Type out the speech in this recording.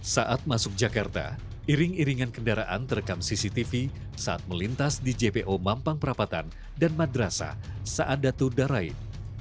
saat masuk jakarta iring iringan kendaraan terekam cctv saat melintas di jpo mampang perapatan dan madrasah saat datu darain